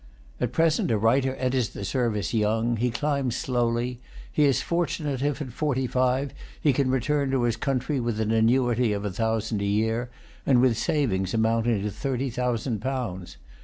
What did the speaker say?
At present a writer enters the service young; he climbs slowly; he is fortunate if, at forty five, he can return to his country with an annuity of a thousand a year, and with savings amounting to thirty thousand pounds.